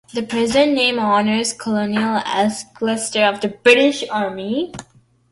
The present name honors Colonel Alcester of the British army.